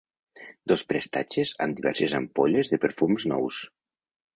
Dos prestatges amb diverses ampolles de perfums nous.